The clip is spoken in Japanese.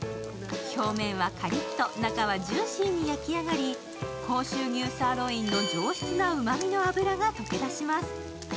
表面はカリッと中はジューシーに焼き上がり甲州牛サーロインの上質なうまみの脂が溶け出します。